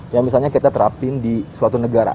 yang misalnya kita terapin di suatu negara